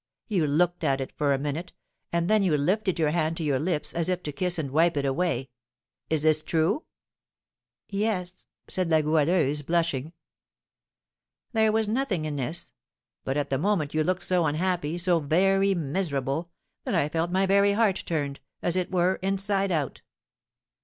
You looked at it for a minute, and then you lifted your hand to your lips, as if to kiss and wipe it away. Is this true?" "Yes," said La Goualeuse, blushing. "There was nothing in this; but at the moment you looked so unhappy, so very miserable, that I felt my very heart turned, as it were, inside out.